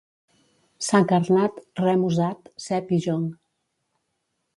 Sac arnat, rem usat, cep i jonc.